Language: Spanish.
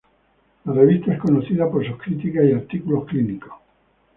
La revista es conocida por sus críticas y artículos clínicos.